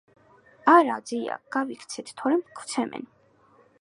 - არა, ძია, გავიქცეთ, თორემ გვცემენ...